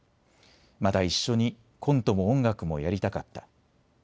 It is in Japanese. まだ一緒にコントも音楽もやりたかった。